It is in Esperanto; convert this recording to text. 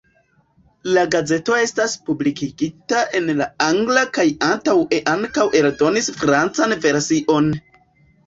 La gazeto estas publikigita en la angla kaj antaŭe ankaŭ eldonis francan version.